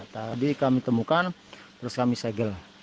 tadi kami temukan terus kami segel